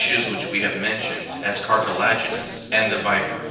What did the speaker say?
49 which we have mentioned87 as cartilaginous, and the viper.